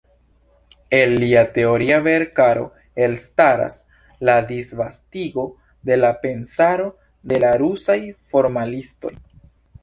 El lia teoria veerkaro elstaras la disvastigo de la pensaro de la rusaj formalistoj.